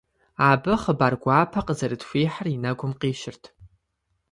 Абы хъыбар гуапэ къызэрытхуихьыр и нэгум къищырт.